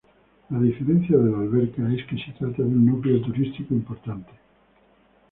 La diferencia en La Alberca es que se trata de un núcleo turístico importante.